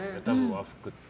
和服って。